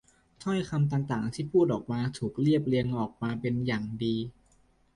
ถ้อยคำต่าง ๆ ที่พูดออกมาถูกเรียบเรียงออกมาเป็นอย่างดี